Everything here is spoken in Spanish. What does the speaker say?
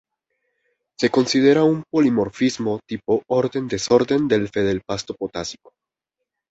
Se considera un polimorfismo tipo orden-desorden del feldespato potásico.